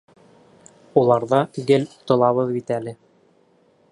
Уларҙа гел отолабыҙ бит әле.